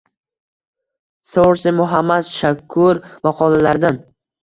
Source: Muhammad Shakur maqolalaridan